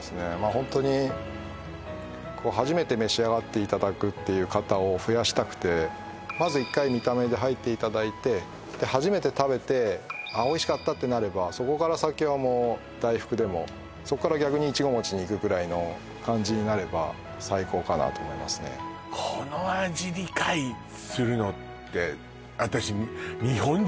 ホントに初めて召し上がっていただくっていう方を増やしたくてまず一回見た目で入っていただいて初めて食べておいしかったってなればそこから先はもう大福でもそっから逆にいちご餅にいくぐらいの感じになれば最高かなと思いますねかかりました？